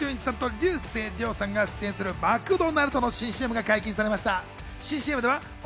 岡田准一さんと竜星涼さんが出演するマクドナルドの新ＣＭが解禁されました。